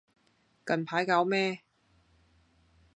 近排搞咩